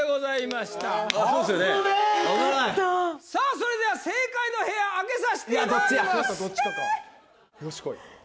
それでは正解の部屋開けさしていただきます